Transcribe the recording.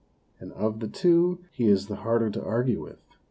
" And of the two he is the harder to argue with.